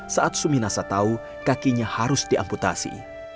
saat suminasa tahu kakinya harus diamputasi